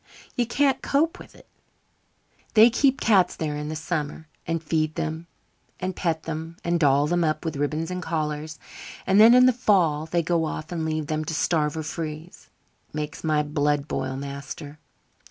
You can't cope with it. They keep cats there in the summer and feed them and pet them and doll them up with ribbons and collars; and then in the fall they go off and leave them to starve or freeze. It makes my blood boil, master."